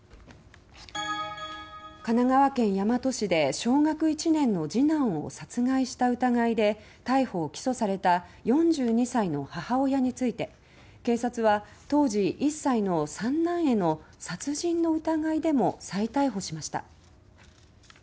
神奈川県大和市で小学１年の次男を殺害した疑いで逮捕・起訴された４２歳の母親について警察は当時１歳の三男への殺人の疑いでも再逮捕しました。